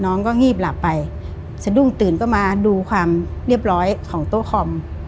น้องก็งีบหลับไปสะดุ้งตื่นก็มาดูความเรียบร้อยของโต๊ะคอม